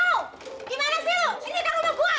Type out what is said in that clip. gimana sih lu ini kan rumah gua